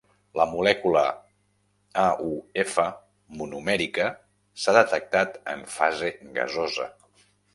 La molècula AuF monomèrica s'ha detectat en fase gasosa.